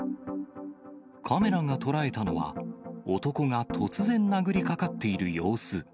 カメラが捉えたのは、男が突然殴りかかっている様子。